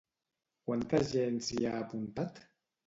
Quanta gent s'hi ha apuntat?